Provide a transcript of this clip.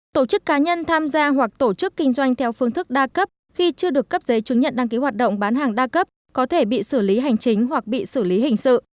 tổ chức cá nhân tham gia hoặc tổ chức kinh doanh theo phương thức đa cấp khi chưa được cấp giấy chứng nhận đăng ký hoạt động bán hàng đa cấp có thể bị xử lý hành chính hoặc bị xử lý hình sự